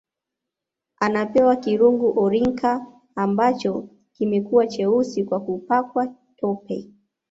Anapewa kirungu Orikna ambacho kimekuwa cheusi kwa kupakwa tope